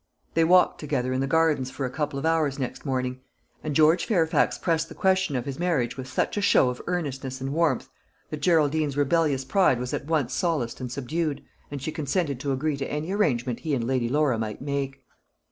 They walked together in the gardens for a couple of hours next morning; and George Fairfax pressed the question of his marriage with such a show of earnestness and warmth, that Geraldine's rebellious pride was at once solaced and subdued, and she consented to agree to any arrangement he and Lady Laura might make.